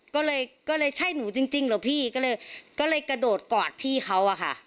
ก็เลยก็เลยใช่หนูจริงเหรอพี่ก็เลยก็เลยกระโดดกอดพี่เขาอะค่ะ